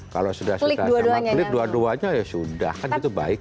kalau sudah sudah sama klik dua duanya ya sudah kan itu baik